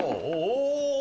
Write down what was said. お！